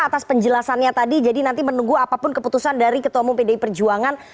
atas penjelasannya tadi jadi nanti menunggu apapun keputusan dari ketua umum pdi perjuangan